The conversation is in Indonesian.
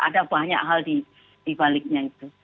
ada banyak hal di baliknya itu